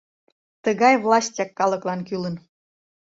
— Тыгай властяк калыклан кӱлын!